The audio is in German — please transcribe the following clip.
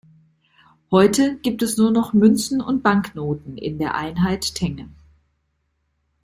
Heute gibt es nur noch Münzen und Banknoten in der Einheit Tenge.